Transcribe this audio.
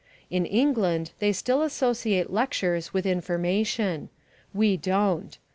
In England they still associate lectures with information. We don't.